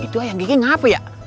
itu ayah gigi ngapain ya